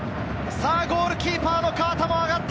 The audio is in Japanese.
ゴールキーパーの河田も上がった。